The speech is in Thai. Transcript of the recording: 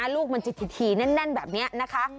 ลูกมันจะถี่แน่นแบบนี้นะคะ